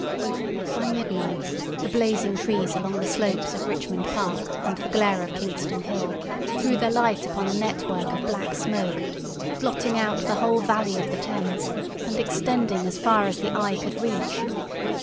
By midnight the blazing trees along the slopes of Richmond Park and the glare of Kingston Hill threw their light upon a network of black smoke, blotting out the whole valley of the Thames and extending as far as the eye could reach.